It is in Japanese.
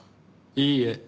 いいえ。